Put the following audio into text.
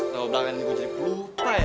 nama belakang ini gue jadi pelupa ya